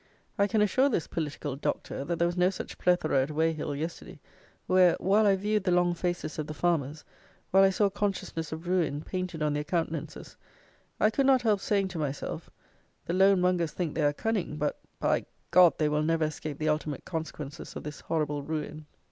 I can assure this political Doctor, that there was no such "plethora" at Weyhill, yesterday, where, while I viewed the long faces of the farmers, while I saw consciousness of ruin painted on their countenances, I could not help saying to myself, "the loan mongers think they are cunning; but, by , they will never escape the ultimate consequences of this horrible ruin!"